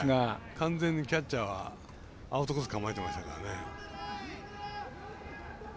完全にキャッチャーはアウトコース構えてましたからね。